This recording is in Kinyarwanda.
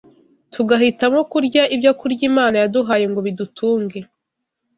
tugahitamo kurya ibyokurya Imana yaduhaye ngo bidutunge!